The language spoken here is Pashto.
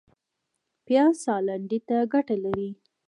پیاز د ساه لنډۍ ته ګټه لري